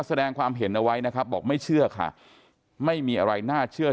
แสดงความเห็นเอาไว้นะครับบอกไม่เชื่อค่ะไม่มีอะไรน่าเชื่อ